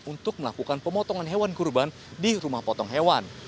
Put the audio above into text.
untuk melakukan pemotongan hewan kurban di rumah potong hewan